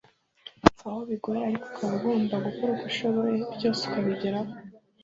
aho bigoye ariko ukaba ugomba gukora uko ushoboye byose ukabigeraho